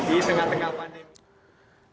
di tengah tengah pandemi